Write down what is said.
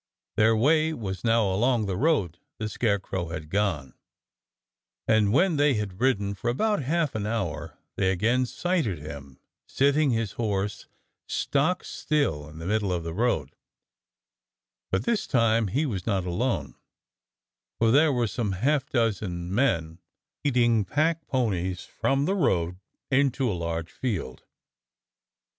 Their way was now along the road the Scarecrow had gone, THE SCARECROW'S LEGION 199 and when they had ridden for about half a mile they again sighted him, sitting his horse stockstill in the middle of the road, but this time he was not alone, for there were some half dozen men leading packponies from the road into a large field.